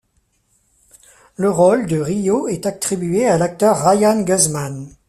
Le rôle de Rio est attribué à l'acteur Ryan Guzman.